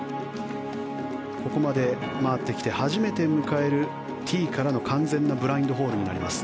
ここまで回ってきて初めて迎えるティーからの完全なブラインドホールになります。